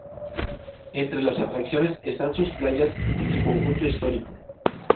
Entre las atracciones están sus playas y su conjunto histórico.